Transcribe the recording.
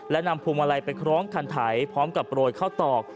และนำพวงมาลัยไปคล้องคันไถพร้อมกับโปรยข้าวตอก